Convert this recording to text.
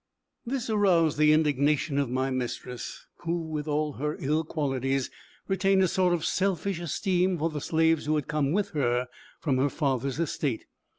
This aroused the indignation of my mistress, who, with all her ill qualities, retained a sort of selfish esteem for the slaves who had come with her from her father's estate.